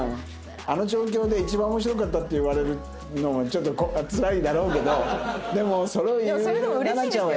あの状況で「一番面白かった」って言われるのもちょっとつらいだろうけどでもそれを言うなな茶は偉い。